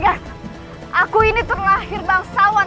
aku ini terlahir bangsawan